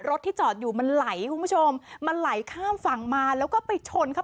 ที่จอดอยู่มันไหลคุณผู้ชมมันไหลข้ามฝั่งมาแล้วก็ไปชนเขา